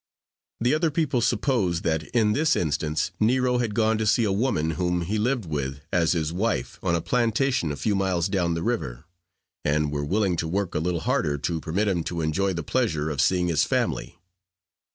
The other people supposed that, in this instance, Nero had gone to see a woman whom he lived with as his wife, on a plantation a few miles down the river; and were willing to work a little harder to permit him to enjoy the pleasure of seeing his family.